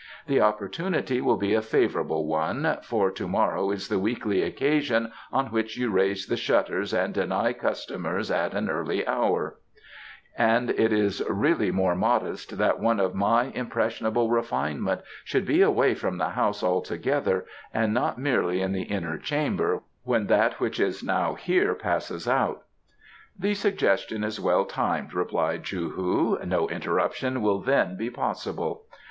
The opportunity will be a favourable one, for to morrow is the weekly occasion on which you raise the shutters and deny customers at an earlier hour; and it is really more modest that one of my impressionable refinement should be away from the house altogether and not merely in the inner chamber when that which is now here passes out." "The suggestion is well timed," replied Chou hu. "No interruption will then be possible."